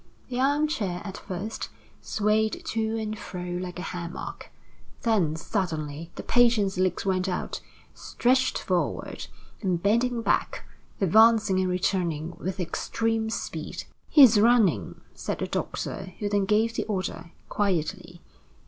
The armchair, at first, swayed to and fro like a hammock; then, suddenly, the patient's legs went out, stretching forward and bending back, advancing and returning, with extreme speed. "He is running," said the doctor, who then gave the order: "Quietly!